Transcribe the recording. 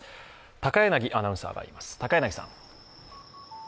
高柳アナウンサーがいます。